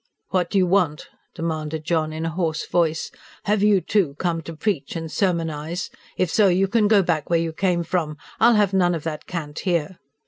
"What do you want?" demanded John in a hoarse voice. "Have you, too, come to preach and sermonise? If so, you can go back where you came from! I'll have none of that cant here."